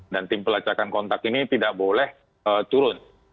dan tim pelacakan kontak ini tidak boleh turun